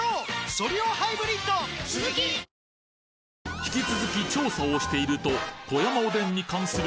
引き続き調査をしているとえ？